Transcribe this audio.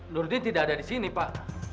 nurdin tidak ada disini pak